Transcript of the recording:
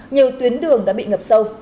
nhiều tuyến đường đã bị ngập sâu